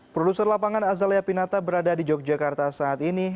produser lapangan azalia pinata berada di yogyakarta saat ini